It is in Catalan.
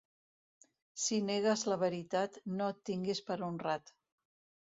Si negues la veritat, no et tinguis per honrat.